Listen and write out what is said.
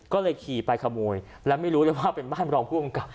ก็เลยขี่ไปขโมยแล้วไม่รู้เลยว่าเป็นบ้านรองผู้กำกับ